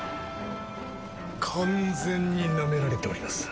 完全になめられております。